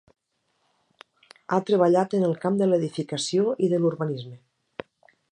Ha treballat en el camp de l'edificació i de l'urbanisme.